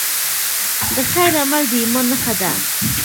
د خیر عمل د ایمان نښه ده.